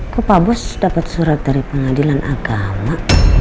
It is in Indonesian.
kok pak bos dapet surat dari pengadilan agama